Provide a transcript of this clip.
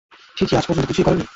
ছি, ছি, আজ পর্যন্ত কিছুই করেননি?